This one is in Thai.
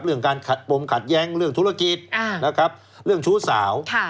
เรื่องการขัดโมมขัดแย้งเรื่องธุรกิจเรื่องชู้สาว